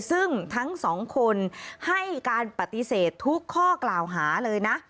ซึ่งทั้งสองคนให้การปฏิเสธทุกข้อกล่าวหาเลยนะ